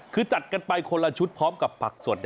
คือจัดกันไปคนละชุดพร้อมกับผักสด